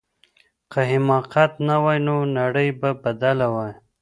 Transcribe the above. که حماقت نه وای نو نړۍ به بدله وای.